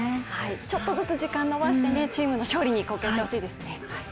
ちょっとずつ時間を延ばして、チームの勝利に貢献してほしいですね。